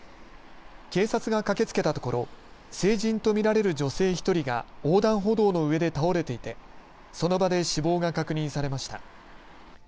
警察が駆けつけたところ成人と見られる女性１人が横断歩道の上で倒れていてその場で死亡が確認されました。